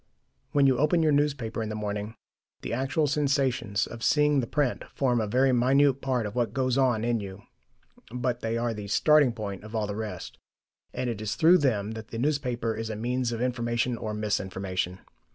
When you open your newspaper in the morning, the actual sensations of seeing the print form a very minute part of what goes on in you, but they are the starting point of all the rest, and it is through them that the newspaper is a means of information or mis information.